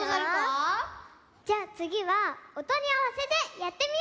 じゃつぎはおとにあわせてやってみよう！